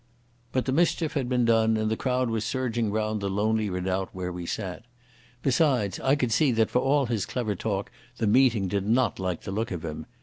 But the mischief had been done, and the crowd was surging round the lonely redoubt where we sat. Besides, I could see that for all his clever talk the meeting did not like the look of him.